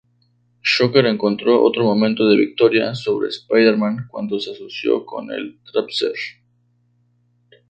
Shocker encontró otro momento de victoria sobre Spider-Man cuando se asoció con el Trapster.